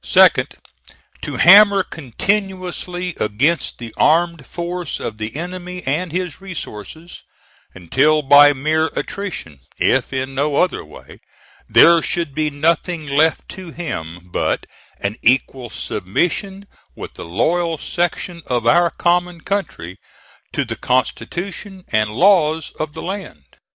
Second, to hammer continuously against the armed force of the enemy and his resources, until by mere attrition, if in no other way, there should be nothing left to him but an equal submission with the loyal section of our common country to the constitution and laws of the land.